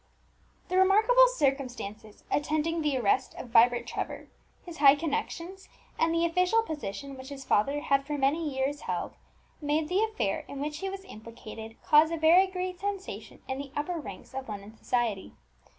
The remarkable circumstances attending the arrest of Vibert Trevor, his high connections, and the official position which his father had for many years held, made the affair in which he was implicated cause a very great sensation in the upper ranks of London society.